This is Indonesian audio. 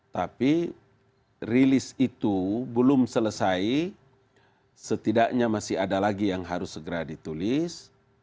tapi rilis itu belum selesai setidaknya masih ada lagi yang harus segera ditulis